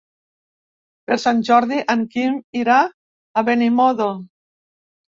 Per Sant Jordi en Quim irà a Benimodo.